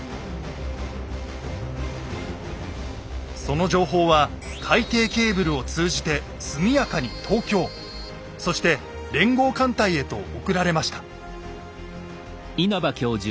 その情報は海底ケーブルを通じて速やかに東京そして連合艦隊へと送られました。